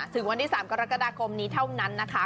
ถึงวันที่๓กรกฎาคมนี้เท่านั้นนะคะ